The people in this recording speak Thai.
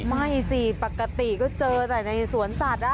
ไม่สิปกติก็เจอแต่ในสวนสัตว์